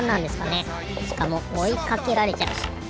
しかもおいかけられちゃうし。